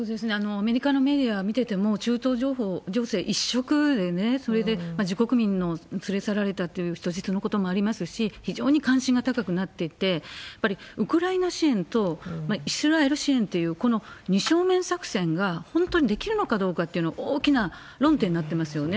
アメリカのメディア見てても、中東情勢一色でね、自国民を連れ去られたという人質のこともありますし、非常に関心が高くなっていて、やっぱりウクライナ支援とイスラエル支援っていう、この２正面作戦が、本当にできるのかどうかっていうのが大きな論点になってますよね。